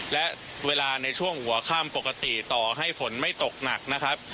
และเวลาในช่วงหัวค่ำปกติต่อให้ฝนไม่ตกหนักนะครับ